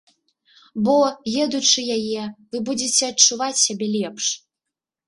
Бо, едучы яе, вы будзеце адчуваць сябе лепш!